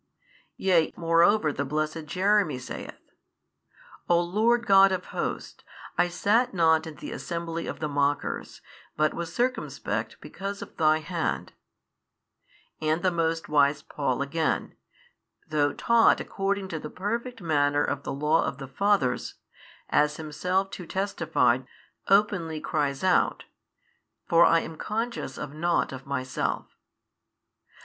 yea moreover the blessed Jeremy saith, O Lord God of hosts, I sat not in the assembly of the mockers, but was circumspect because of Thy Hand: and the most wise Paul again, though taught according to the perfect manner of the law of the fathers, as himself too testified, openly cries out, For I am conscious of nought of myself.